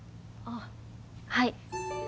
ああはい。